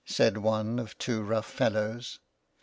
said one of two rough fellows.